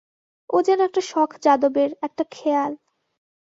ও যেন একটা শখ যাদবের, একটা খেয়াল।